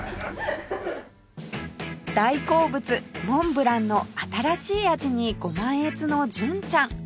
大好物モンブランの新しい味にご満悦の純ちゃん